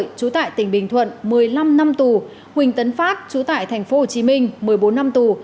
trú tại tỉnh bình thuận một mươi năm năm tù huỳnh tấn pháp trú tại thành phố hồ chí minh một mươi bốn năm tù